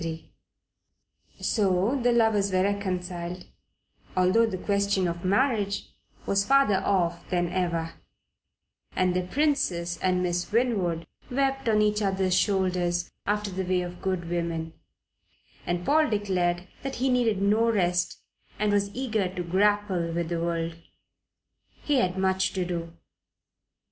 CHAPTER XXIII SO the lovers were reconciled, although the question of marriage was farther off than ever, and the Princess and Miss Winwood wept on each other's shoulders after the way of good women, and Paul declared that he needed no rest, and was eager to grapple with the world. He had much to do.